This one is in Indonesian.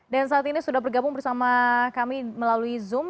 dan saat ini sudah bergabung bersama kami melalui zoom